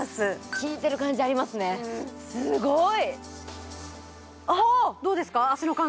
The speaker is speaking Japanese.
効いてる感じありますね、すごーい。